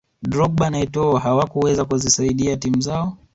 drogba na etoo hawakuweza kuzisaidia timu zao